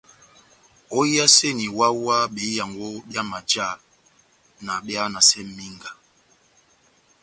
Óhiyaseni wáhá-wáhá behiyango byá majá na behanasɛ mínga.